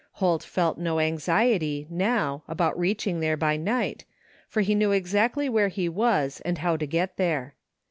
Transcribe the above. Holt felt no anxiety, now, about reaching there by night, for he knew exactly where he was and how to get there.